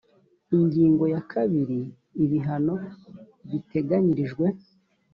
ingingo ya kabiri ibihano biteganyirijwe